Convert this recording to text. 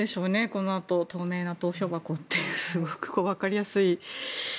このあと、透明な投票箱ってすごく分かりやすい。